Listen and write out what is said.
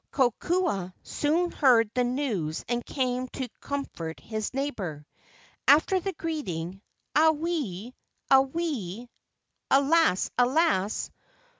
Kokua soon heard the news and came to com¬ fort his neighbor. After the greeting, "Auwe! auwe!" (Alas! alas!)